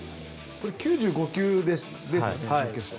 ９５球ですよね準決勝。